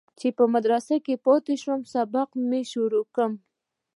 چې په مدرسه كښې پاته سم سبقان مې شروع كم.